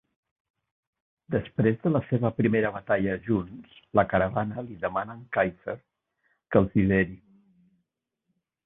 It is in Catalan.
Després de la seva primera batalla junts, la caravana li demana en Keifer que els lideri.